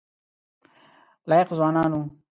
لایق ځوانان وو.